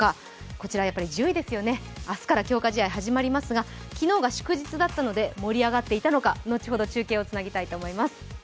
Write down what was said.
こちら、１０位ですよね、明日から強化試合、始まりますが昨日が祝日だったので盛り上がっていたのか、後ほど中継をつなぎたいと思います。